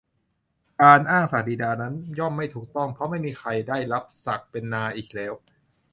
การอ้างศักดินานั้นย่อมไม่ถูกต้อง เพราะไม่มีใครได้รับศักดิ์เป็นนาอีกแล้ว